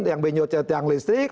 yang benyot benyot yang listrik